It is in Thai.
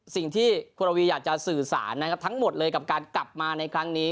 สิ่งที่คุณระวีอยากจะสื่อสารนะครับทั้งหมดเลยกับการกลับมาในครั้งนี้